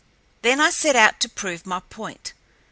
Then I set out to prove my point.